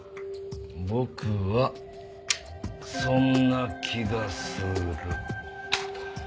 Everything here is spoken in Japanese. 僕はそんな気がする。